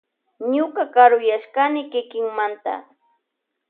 Ñuka karuyashkani kikimanta.